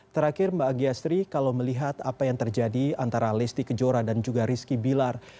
terakhir mbak agi astri kalau melihat apa yang terjadi antara lesti kejora dan juga rizky bilar